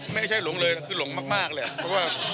ไม่ใช่หลงเลยคือหลงมากแหละ